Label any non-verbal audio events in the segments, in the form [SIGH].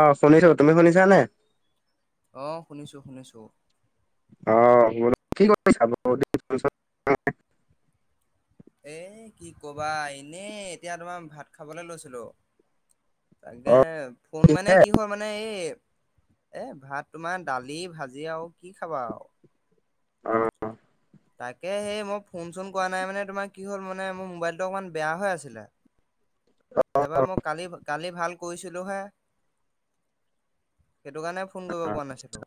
অঁহ শুনিছো, তুমি শুনিছানে? অ শুনিছো শুনিছো অ বোলো কি কৰিছা বাৰু? বহুত দিন ফোন চোন কৰা নাই। এ কি কবা এনেই এতিয়া তোমাৰ ভাত খাবলে লৈছিলো। তাকে অ ফোন মানে কিহে কি হয় মানে এই এ ভাত তোমাৰ দালি ভাজি আৰু কি খাবা আও। অহ। সেই মই ফোন চোন কৰা নাই মানে তোমাৰ কি হল মানে মোৰ মোবাইলটো অকমান বেয়া হৈ আছিলে। তাৰপৰা মই কালি কালি ভাল কৰিছিলোঁ হে সেইটো কাৰণে ফোন অ, কৰিব পৰা নাছিলো।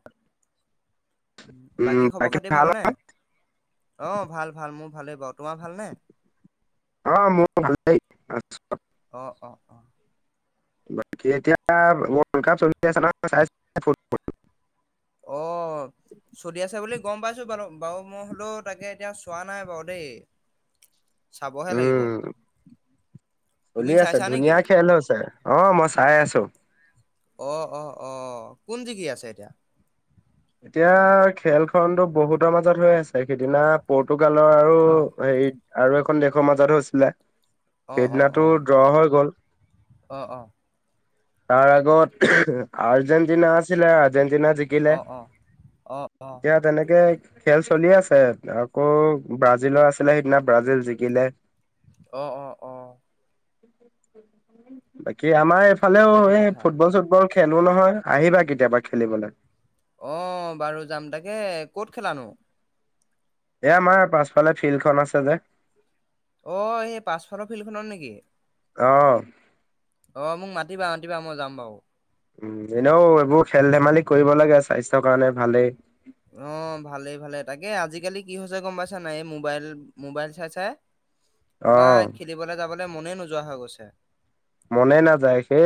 উম বাকী খবৰ খাতি ভাল ভালনে? নহয় অ', ভাল, ভাল মোৰ ভালেই বাৰু তোমাৰ ভালনে? অ', মোৰ ভালেই আছো। অ', অ, অ। বাকী এতিয়া ৱৰ্ল্ড কাপ চলি আছে নহয়, চাইছানে [UNINTELLIGIBLE] অ', চলি আছে বুলি গম পাইছো বাৰু বাও মই হলেও তাকে এতিয়া চোৱা নাই বাও দেই। চাবহে লাগিব উম', তুমি চলি আছে চাইছা নেকি? ধুনীয়া খেল হৈছে, অ', মই চাই আছো। অ', অ, অ, কোন জিকি আছে এতিয়া। এতিয়া খেলখনতো বহুতৰ মাজত হৈ আছে, সিদিনা পৰ্টো গালৰ আৰু অ হেৰি আৰু এখন দেশৰ মাজত হৈছিলে। অ অ অ সেইদিনাটো ড্ৰ হৈ গ'ল। অ', অ। তাৰ আগত আৰ্জেণ্টিনা আছিলে জেন্তিনা অ জিকিলে অ অ', অ। এতিয়া তেনেকে খেল চলি আছে, আকৌ ব্ৰাজিলৰ আছিলে সিদিনা ব্ৰাজিল জিকিলে অ', অ, অ। বাকী আমাৰ ইফালেও সেইটো এই কথা ফুটবল চুটবল খেল [UNINTELLIGIBLE] নহয় আহিবা কেতিয়াবা খেলিবলৈ। অ', বাৰু যাম, তাকে ক'ত খেলানো? এ আমাৰ পাছফালে ফিল্ড খন আছে যে অ', সেই পাছফালৰ ফিল্ড খনত নেকি। অ'। অ', মোক মাতিবা মাতিবা মই যাম বাৰু। উম', এনেও এইবোৰ খেল ধেমালি কৰিব লাগে স্বাস্থ্যৰ কাৰণে ভালেই। অ', ভালেই ভালে, তাকে আজিকালি কি হৈছে গম পাইচা নাই এই মোবাইল, মোবাইল চাই চাই তোমাৰ অ'। খেলিবলে যাবলে মনেই নোযোৱা হৈ গৈছে মনে নাযায়, সেই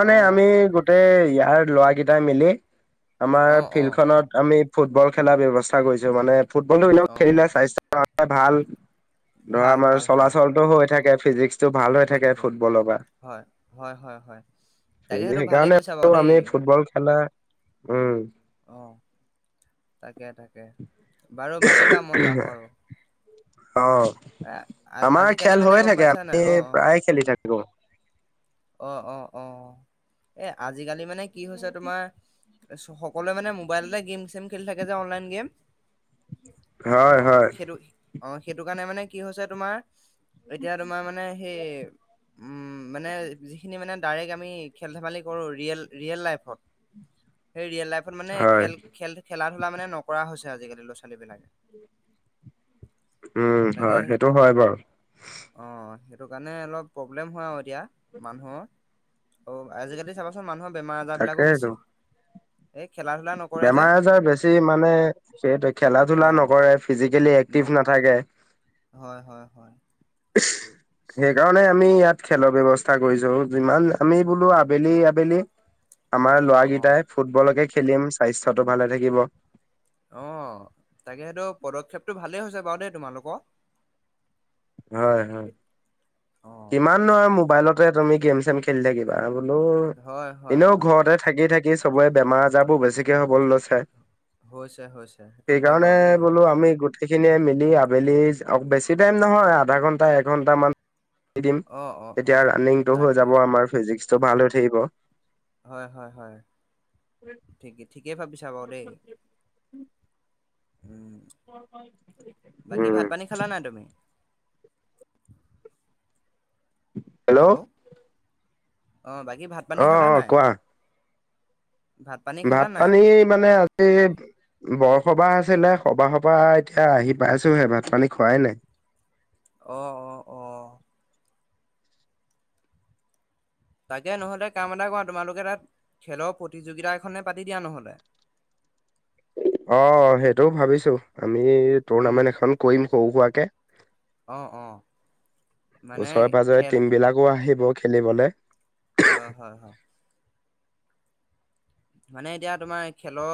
অ আমি গোটেই ইয়াৰ ল'ৱা কেইটাই মিলি আমাৰ অ অ ফিল্ড খনত আমি ফুটবল খেলা ব্যৱস্থা কৰিছো মানে ফুটবলতো ইনেও অ খেলিলে স্ব্যাস্থ্যৰ এ ভাল ধৰা ভাল আমাৰ ভাল হয় চলাচলটো হৈ থাকে। ফিজিক্চ টো ভাল হৈ থাকে ফুটবলৰ পৰা। হয়, হয়, হয়, হয় তাকে সেইটো ভালেই সেইকাৰণে কৈছা বাৰু দেই। আমি ফুটবল খেলা উম অ'। তাকে তাকে বাৰু মাতিবা মই যাম বাৰু। অ', এ আমাৰ আজিকালি খেল মানে হৈয়ে গম থাকে, পাইছা নাই আমি অ', অ', প্ৰায় খেলি থাকো। [UNINTELLIGIBLE] অ', অ', অ', এ, আজিকালি মানে কি হৈছে তোমাৰ সকলোৱে মানে মোবাইলতে গেম চেম খেলি থাকে যে অনলাইন গেম। হয় অ', হয় সেইটো অ', সেইটো কাৰণে মানে কি হৈছে তোমাৰ এতিয়া তোমাৰ মানে সেই উম, মানে যিখিনি মানে ডাইৰেক্ট আমি খেল-ধেমালি কৰোঁ ৰিয়েল, ৰিয়েল লাইফত। সেই ৰিয়েল লাইফত মানে হয় খেল, খেল খেলা ধ লা মানে নকৰা হৈছে আজিকালি ল'ৰা ছোৱালী বিলাকে। উম, হয় সেইটো হয় বাৰু। অ' সেইটো কাৰণে অলপ প্ৰব্লেম হয় আৰু এতিয়া। মানুহৰ। অ', আজিকালি চাবাচোন মানুহৰ বেমাৰ আজাৰ বিলাকো বেছি। এক বেমাৰ-আজাৰ বেছি মানে সেই খেলা-ধূলা অ' নকৰে ফিজিকেলি এক্টিভ নক নাথাকে। হয়, হয়, হয়। সেইকাৰণে আমি ইয়াত খেলৰ ব্যৱস্থা কৰিছো যিমান আমি বোলো আবেলি, আবেলি আমাৰ অ' অ' ল'ৰাকেইটাই ফুটবলকে খেল খেলিম স্বাস্থ্যতটো ভালে থাকিব। অ', তাকে সেইটো পদক্ষেপটো ভালেই হৈছে বাৰু দেই তোমালোকৰ। হয়, হয়। অ' কিমান নহয় মো মোবাইলতে তুমি গেম চেম খেলি থাকিবা। মোৰ, হয় হয় এনেও হয় ঘৰতে থাকি থাকি কি চবে বেমাৰ আজাৰ বোৰ বেছিকে হ'বলৈ লৈছে হৈছে হৈছে সেইটো হয় বাৰু দেই স খিনিয়ে মিলি আবেলিক বেছি ন নহয় আধা ঘণ্টা এঘন্টা মান দিম অ' অ' এতিয়া অ' ৰাণিংটো হৈ তাকে যাব আমাৰ ফিজিক্স ভাল উ থাকিব হয় হয় হয় ঠিক ঠিকেই ভাবিছা বাৰু দেই উম উম বাকী ভাত পানী খালা নাই তুমি উম [INAUDIBLE] হেল্ল' অঁ বাকী ভাত পানী খালা অ নাই কোৱা পানী খালা ভাত নাই পানী মানে আজি বৰসবাহ আছে ছিলে সবাহ সবাহ এতিয়া আহি পাইছোহে ভাত পানী খোৱাই নাই অ অ অ তাকে নহলে কাম এটা কৰ তোমালোকে তাত খেলৰ প্ৰতিযোগিতা এখনে পাতি দিয়া নহ'লে অ সেইটোও ভাবিছো আমি উম টুৰ্ণামেন্ট এখন কৰিম কৰুপোৱাকৈ অ অ মানে ওচৰে পজৰে খেল টিম বিলাকো আহিব খেলিবলৈ হ হা হ মানে এতিয়া তোমাৰ খেলৰ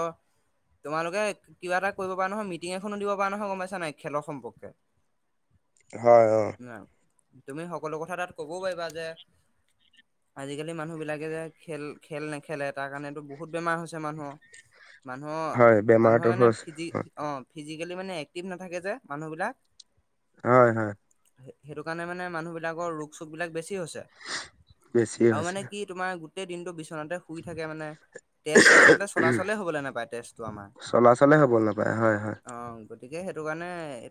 তোমালোকে কিবা এটা কৰিব পৰাাৰা নহয় মিটিং এখনো দিব পৰাাৰা নহয় গম পাইছা নাই খেলৰ সম্পৰ্কে হয় অ না তুমি সকলো কথা তাত ক'বও পাৰিবা যে আজিকালি মানুহ বিলাকে যে খেল খেল নেখেলে তাৰ কাৰণেতো বু বহুত বেমাৰ হৈছে মানুহৰ মানুহৰ হয় বেমাৰটো মানুহৰ মানে হৈছে ফিজি অ ফিজিকেলি মানে এক্টিভ নাথাকে যে মানুহবিলাক হয় হয় সেইটো কাৰোনে মানুহ বিিলাকৰ ৰোগ চোগ বিিলাক বেছি বেছি আৰু হৈছে। মানে কি তোমাৰ গোটেই দিনটো বিচনাতে শুই থাকে মানে তেজ আচলতে চলাচলে হবলৈ নাপায় তেজটো আমাৰ চলাচলে হ'ব নাপায় হয় হয় অ গতিকে সেইটো কাৰণে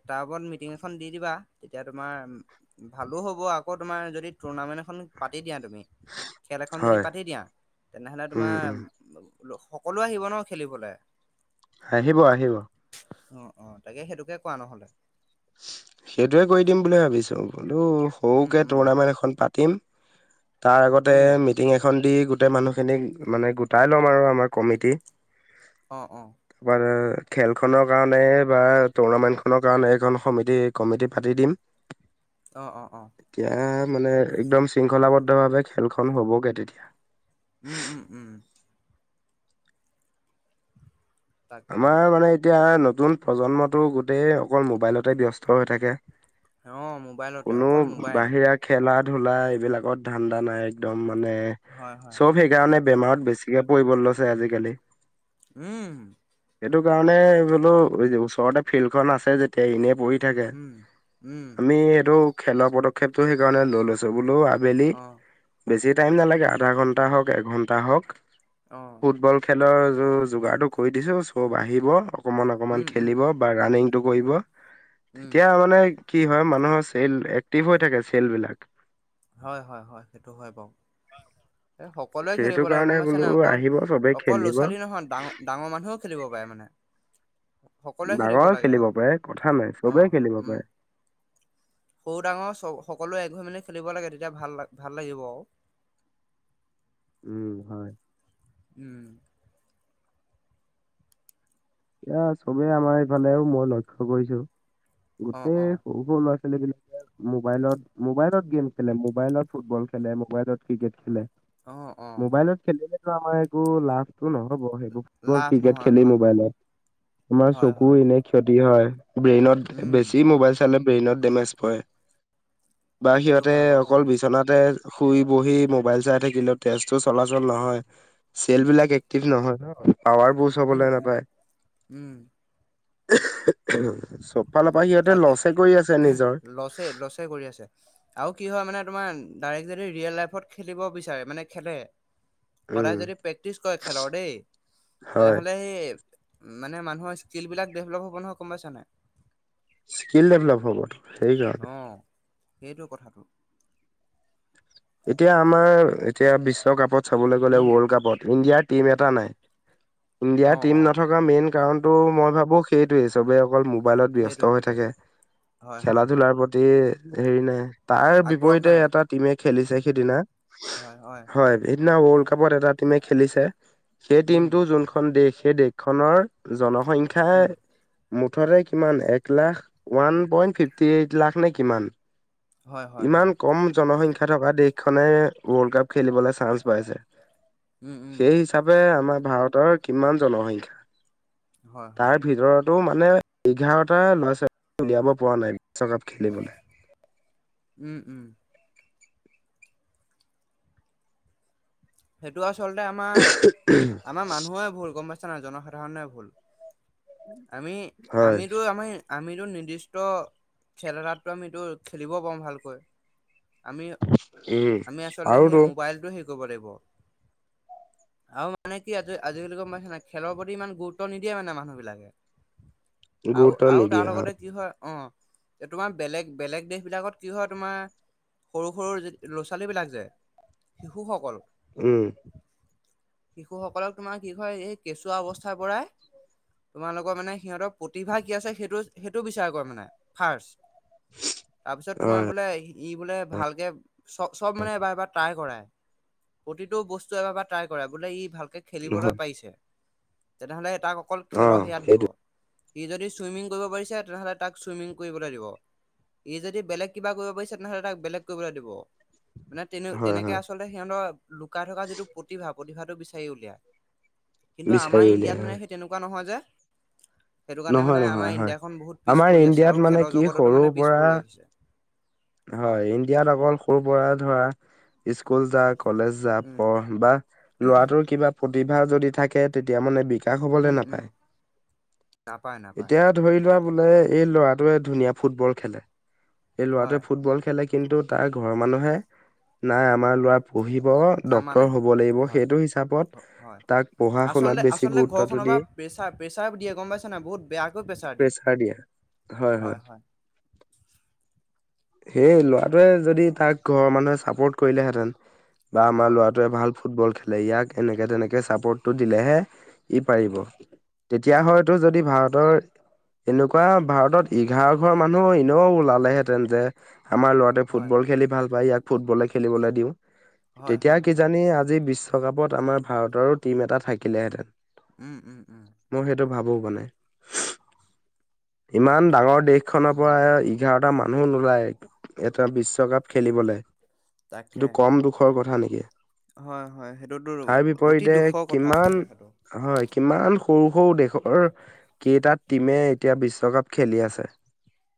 তাৰ ওপৰত মিটিং এখন দি দিবা তেতিয়া তোমাৰ ভালো হ'ব আকৌ তোমাৰ যদি টুৰ্ণামেণ্ট এখন পাতি দিয়া তুমি খেল এখন যদি হয় পাতি দিয়া তেনেহলে উম তোমাৰ উম সকলোৱে আহিব ন খেলিবলৈ। আহিব আহিব অ' অ 'তাকে সেইটোকে কৰা নহলে সেইটোৱে কৰি দিম বুলি ভাবিছো। বোলো উম সৰুকে উম টুৰ্ণামেণ্ট এখন পাতিম। তাৰ আগতে উম মিটিং এখন দি। গোটেই মানুহখিনিক মানে গোটাই ল'ম আৰু আমাৰ কমিটি। অ অ [UNINTELLIGIBLE] খেল খনৰ কাৰণে বা টুৰ্ণামেন্ট খনৰ কাৰণে এইখন। সমিতি কমিটি পাতি দিম। অ -অ -অ এতিয়া মানে একদম শৃংখলাবদ্ধ ভাৱে খেলখন হ'বগে তেতিয়া। উম উম উম। তাকে আমাৰ মানে এতিয়া। নতুন প্ৰজন্মতো গোটেই অকল মোবাইলতে ব্যস্ত হৈ থাকে। অ মোবাইলতে কোনো অকল মোবাইল। বাহিৰা খেলা ধূলা এইবিলাকত ঠাণ্ডা নাই একদম। মানে হয় হয়। চব সেইকাৰণে। বেমাৰত বেছিকে পৰিব লৈছে আজিকালি। উম। সেইটো কাৰণে। [UNINTELLIGIBLE] ফিল্ড খন আছে যেতিয়া এনেই পঢ়ি। থাকে উম উম আমি এইটো। খেলৰ পদক্ষেপ টো সেইকাৰণে লৈ লৈছো বোলো। বেলি। অ বেছি টাইম নালাগে আধা ঘণ্টা হওক এঘণ্টা হওক। অ ফুটবল খেলৰ। যোগাৰটো। কৰি দিছো চব আহিব। অকমান অকমান উম উম খেলিব বা ৰাণিংটো কৰিব উম উম তেতিয়া মানে। কি হয় মানুহৰ চেল এক্টিভ হৈ থাকে চেল বিলাক। হয়- হয় -হয় সেইটো হয় বাৰু এই সকলোৱে খেলিব সেইটো লাগে গম কাৰণে পাইছ বোলো নাই অকল আহিব চবে অকল ল'ৰা খেলিব। ছোৱালী নহয় ডাঙৰ ডাঙৰ মানুহে। খেলিব পাৰে মানে। সকলোৱে খেলিব ডাঙৰ লাগে আৰু পাৰে কথা নাই অ চবেই খেলিব উম পাৰে। সৰু ডাঙৰ চ সকলোৱে একহৈ মেলি খেলিব লাগে তেতিয়া ভাল ভাল লাগিব আৰু উম, হয়। উম! এয়া চবেই আমাৰ এইফালেও মই লক্ষ্য কৰিছোঁ। অ অ গোটেই সৰু সৰু ল'ৰা মোবাইলত, মোবাইলত গেম খেলে, মোবাইলত ফুটবল খেলে, মোবাইলত ক্ৰিকেট খেলে। অ অ মোবাইলত খেলে। আমাৰ এইবোৰ লাষ্ট নহ'ব সেইবোৰ, ফুটবল লাভ ক্ৰিকেট নহয় খেলিম হয় হয় মোবাইলত। আমাৰ হয় চকুৰ হয় এনে ক্ষতি কিয় হয়? ব্ৰেইনত উম বেছি মোবাইল চালে ব্ৰেইনত ডেমেজ পৰে। বা সেইটো সিহঁতে হয় বাৰু অকল দেই বিচনাতে শুই বহি মোবাইল চাই থাকিলেও তেজটো চলাচল নহয়। চেল উম উম বিলাক এক্টিভ নহয় ন'। আৱাৰ বুষ্ট উম হ'বলৈ উম নাপায়। উম! [UNINTELLIGIBLE] চব ফালৰ পৰা সিহঁতে তাকে লছে কৰি আছে নিজৰ লছে, লছে কৰি আছে, আৰু কি হয় মানে, তোমাৰ তাৰে যদি ৰিয়েল লাইফত খেলিব বিচাৰে মানে খেলে। সদায় উম যদি প্ৰেক্টিচ কৰে খেলৰ দেই, হয়। তেনেহ'লে মানে, মানুহৰ স্কিল বিলাক ডেভলপ হ'ব নহয় গম পাইছা নাই? স্কিল ডেভেলপ হ'ব। সেইয়া অ' সেইটো কথাটো। এতিয়া আমাৰ এতিয়া বিশ্বকাপত চাবলৈ গ'লে উম ৱৰ্ল্ড কাপত ইণ্ডিয়াত টিম এটা নাই। ইণ্ডিয়াৰ অ' টিম অ' নথকা মেইন কাৰণ তো মই ভাবোঁ সেইটোয়ে চবেই অকল মোবাইলত ব্যস্ত সেইটোৱে হৈ সেইটোৱে থাকে, হয় খেলা হয় হয় ধূলাৰ প্ৰতি এৰিলে। তাৰ আগ্ৰহ বিপৰীতে নাই এটা টিমে খেলিছে সিদিনা হয়। সিদিনাও কাপত এটা টিমে খেলিছে সেই উম টিমটো যোনখন দেশ সেই দেশখনৰ জন সংখ্যা উম মুঠতে কিমান, এক lakh one point fifty eight lakh নে কিমান। হয় হয় ইমান হয় কম জনসংখ খা থকা দেশখনে ৱৰ্ল্ড কাপ খেলিবলৈ চান্স পাইছে। উম উম সেই হিচাপে আমাৰ ভাৰতৰ কিমান জনসংখ্যা হয় হয় তাৰ ভিতৰত ত' মানে এঘাৰটা ল'ৰা ছোৱালী উলিয়াব পৰা নাই বিশ্বকাপ খেলিবলে। উম-উম। হেইটো আছ চলতে আমাৰ, আমাৰ মানুহৰে ভুল, গম পাইছ [UNINTELLIGIBLE] জনসাধাৰণে ভুল। আমি, হয় আমিতো আমি আমিতো নিৰ্দিষ্ট খেল এটাতটো আমিটো খেলিব পাৰো ভালকৈ। উম আমি-আমি আচলতে সেই আৰুতো মোবাইলটো সেই কৰিব লাগিব, আৰু মানে কি আজ আজিকালি গম পাইছে নাই, খেলৰ প্ৰতি ইমান গুৰুত্ব নিদিয়ে মানে মানুহবিলাকে। গুৰুত্ব আউ-আউ তাৰ নিদিয়ে লগতে কি হয়, অ এ তোমাৰ বেলেগ-বেলেগ দেশ বিলাকত কি হয় তোমাৰ সৰু-সৰু যি ল'ৰা-ছোৱালীবিলাক যে, শিশুসকল উম। শিশুসকলক তোমাৰ কি হয় এই কেঁচুৱা অৱস্থাৰ পৰাই, তোমালোকৰ মানে সিহঁতক প্ৰতিভা কি আছে সেইটো-সেইটো বিচাৰ কৰে মানে, ফাৰ্ষ্ট। তাৰপিছত তোমাৰ হয় বোলে ই বোলে ভালকে চ চব মানে এবাৰ-এবাৰ ট্ৰাই কৰাই, প্ৰতিটো বস্তু এবাৰ-এবাৰ ট্ৰাই কৰাই, বোলে ই ভাল কে খেলিবলৈ হয় পাৰিছে। তেনেহ'লে তাক অকল অ খেলৰ হেয়াত দিব। সেইটো ই যদি চুইমিং কৰিব পাৰিছে, তেনেহ'লে তাক চুইমিং কৰিবলৈ দিব, ই যদি বেলেগ কিবা কৰিব পাৰিছে তেনেহ'লে তাক বেলেগ কৰিবলৈ দিব। মানে তেনে হয় তেনেকে হয় আচলতে সিহঁতৰ লুকাই থকা যিটো প্ৰতিভা, প্ৰতিভাত তো বিচাৰি উলিয়াই। কিন্তু আমাৰ বিচাৰি উলিয়াই ইণ্ডিয়াত মানে হয় সেই তেনেকুৱা নহয় যে। সেইটো কাৰণে নহয় মানে আমাৰ নহয় হয় ইণ্ডিয়াখন বহুত পিছ আমাৰ পৰি আছে ইণ্ডিয়াত আৰু মানে খেলৰ কি জগততো সৰুৰ মানে পিছ পৰা পৰি আহিছে। হয় ইণ্ডিয়াত অকল সৰু পৰা ধৰা স্কুল যাক। কলেজ যা উম, পঢ় বা ল'ৰাটোৰ কিবা ভা যদি থাকে তেতিয়া মানে বি। হবলৈ উম, উম, নাপায় নাপায় নাপায় এতিয়া ধৰি লোৱা। বোলে এই ল'ৰাটোৱে ধুনীয়া ফুটবল খেলে। এই হয়। লৰাটোৱে। ফুটবল খেলে কিন্তু তাৰ ঘৰৰ মানুহে নাই আমাৰ লৰা। পঢ়িব ডক্তৰ নামানে হ'ব লাগিব। হয় সেইটো হিচাপত হয় তাক পঢ়া শুনাত আচলতে বেছি আচলতে গুৰুত্বটো ঘৰখনৰ পৰা দিয়ে প্ৰেছাৰ প্ৰেছাৰ দিয়ে গম পাইছা নাই বহুত বেয়াকৈ প্ৰেছাৰ প্ৰেচাৰ দিয়ে হয় হয়। সেই ল'ৰাটোৱে যদি তাক ঘৰৰ মানুহে চাপোৰ্ট কৰিলেহেঁতেন। বা আমাৰ হয় ল'ৰাটোৱে ভাল। ফুটবল খেলে ইয়াক এনেকে তেনেকে চাপৰ্টটো দিলেহে। ই পাৰিব। হয় তেতিয়া হয়তো যদি ভাৰতৰ এনেকুৱা ভাৰতত এঘাৰ ঘৰ মানুহ এনেও ওলালেহেঁতেন যে। আমাৰ ল'ৰাতে হয় ফুটবল খেলি ভাল পায় ইয়াক। ফুটবলে খেলিবলৈ দিওঁ। হয় তেতিয়া হয় হয় কিজানি আজি বিশ্ব। বিশ্বকাপত আমাৰ ভাৰতৰো টীম এটা থাকিলেহেঁতেন উম- উম- উম মই সেইটো ভাবো মানে ইমান ডাঙৰ। দেশখনৰ পৰা হয় এঘাৰটা মান। মানুহ নুলাই এটা বিশ্বকাপ খেলিবলৈ। তাকে এইটো কম দুখৰ কথা নেকি। কিয়। হয়- হয় সেইটোতো অতি দুখৰ কথা কিমান আচলতে সেইটো। হয় কিমান সৰু সৰু দেশৰ কেইটাাত টিমে এতিয়া বিশ্বকাপ খেলি আছে।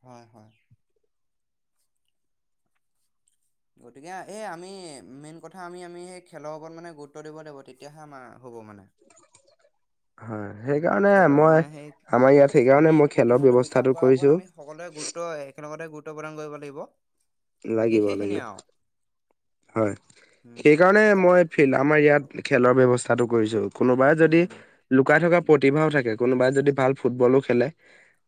হয় -হয় গতিকে এই আমি মেইন কথা আমি আমি সেই খেলৰ ওপৰত মানে গুৰুত্ব দিব লাগিব তেতিয়াহে আমাৰ হ'ব মানে। হয় উ সেইকাৰণে খেলৰ মই মানে সেই আমাৰ ইয়াত সেইকাৰণে আমি মই খেলৰ প্ৰতিভাতাটো বিকাশ ব্যৱস্থাটো কৰাৰ কৰিছো ওপৰত আমি সকলোৱে গুৰুত্ব একেলগতে গুৰুত্ব। কিমান কৰিব লাগিব। বাকী লাগিব সেইখিনিয়ে লাগিব। আৰু হয় উম সেইকাৰণে তাই মই ফিল আমাৰ ইয়াত খেলৰ ব্যৱস্থা। কটো কৰিছোঁ। কোনোবাই যদি উম লুকাই থকা প্ৰতিভাও থাকে কোনোবাই যদি ভাল ফুটবলো খেলে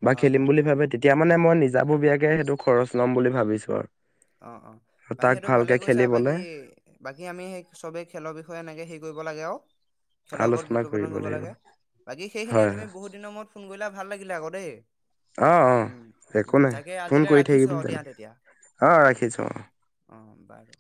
বা হয় খেলিম হয় বুলি হয় ভাবে তেতিয়া মানে মই নিজা ববিয়াকে সেইটো খৰচ ল'ম বুলি ভাবিছো আৰু অ অ মানে তাক সেইটো ভালে ভালকে কি কৈছা খেলিবলে বাকী বাকী আমি সেই চবেই খেলৰ বিষয়ে এনেকে হে কৰিব লাগে অ খেলৰ ওপৰত আলোচনা গুৰুত্ব প্ৰদান কৰিব লাগিব লাগে বাকী সেইখিনিয়ে হয় তুমি বহুত দিনৰ মূৰত ফোন কৰিলে ভাল লাগিলে আকৌ দেই অ অ উম একো উম নাই তাকে ফোন আজিলৈ কৰি ৰাখিছো থাকিম আৰু দিয়া তেনেকে অ ঠছ অঁ বাৰু